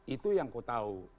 itu yang ku tahu